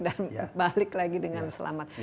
dan balik lagi dengan selamat